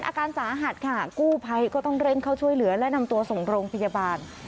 อาการสาหัสค่ะกู้ภัยก็ต้องเร่งเข้าช่วยเหลือและนำตัวส่งโรงพยาบาล